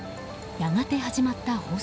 やがて始まった放水。